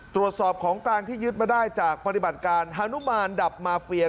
ตรวจสอบของกลางที่ยึดมาได้จากปฏิบัติการฮานุมานดับมาเฟีย